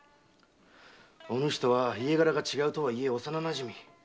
お主とは家柄が違うとはいえ幼なじみ。